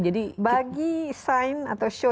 jadi bagi sign atau show